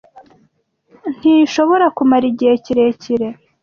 Ntishobora kumara igihe kirekire